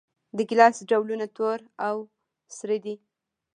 د ګیلاس ډولونه تور او سره دي.